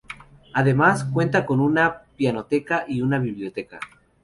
Además cuenta con una pinacoteca y una biblioteca.